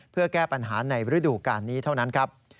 เพื่อแก้ปัญหาในฤดูการนี้เท่านั้นครับ